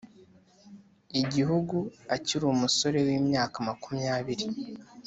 igihugu akiri umusore w'imyaka makumyabiri.